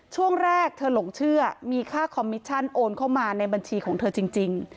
ช่วงแรกเธอหลงเชื่อมีค่าคอมมิชชั่นโอนเข้ามาในบัญชีของเธอจริง